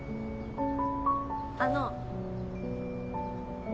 あの。